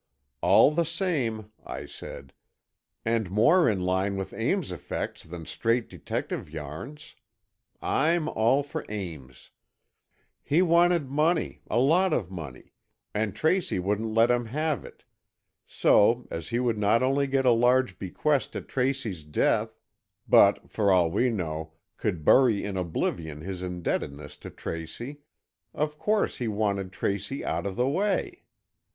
"All the same," I said, "and more in line with Ames's effects than straight detective yarns. I'm all for Ames. He wanted money, a lot of money, and Tracy wouldn't let him have it, so, as he would not only get a large bequest at Tracy's death, but, for all we know, could bury in oblivion his indebtedness to Tracy, of course he wanted Tracy out of the way.